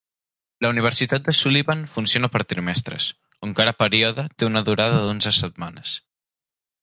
La Universitat de Sullivan funciona per trimestres, on cada període té una durada d'onze setmanes.